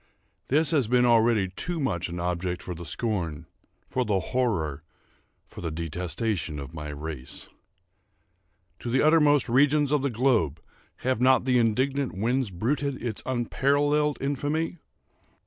This has been already too much an object for the scorn—for the horror—for the detestation of my race. To the uttermost regions of the globe have not the indignant winds bruited its unparalleled infamy?